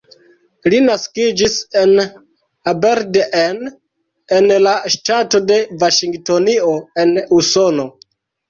Li naskiĝis en Aberdeen, en la ŝtato de Vaŝingtonio, en Usono.